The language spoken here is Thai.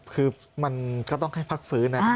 คือมันก็ต้องให้พักฝืนน่ะ